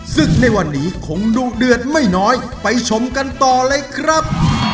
ในวันนี้คงดูเดือดไม่น้อยไปชมกันต่อเลยครับ